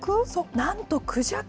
なんとクジャク。